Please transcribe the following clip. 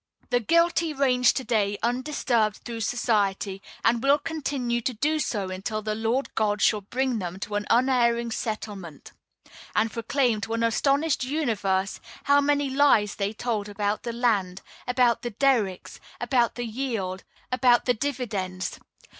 The guilty range to day undisturbed through society, and will continue to do so until the Lord God shall bring them to an unerring settlement, and proclaim to an astonished universe how many lies they told about the land, about the derricks, about the yield, about the dividends.